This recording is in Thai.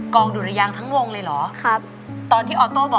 กองดูระยางทั้งวงเลยเหรอ